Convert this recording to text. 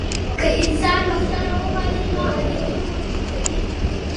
که انسان بخښنه وغواړي، نو اړیکه به ورغېږي.